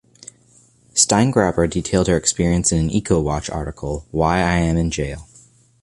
Steingraber detailed her experience in an "Ecowatch" article, "Why I am in Jail.